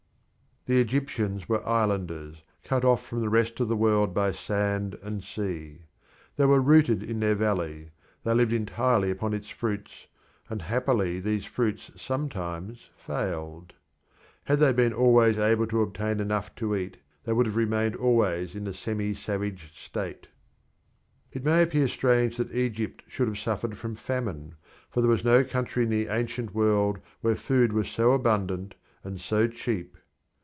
The Egyptians were islanders, cut off from the rest of the world by sand and sea. They were rooted in their valley; they lived entirely upon its fruits, and happily these fruits sometimes failed. Had they always been able to obtain enough to eat, they would have remained always in the semi savage state. It may appear strange that Egypt should have suffered from famine, for there was no country in the ancient world where food was so abundant and so cheap.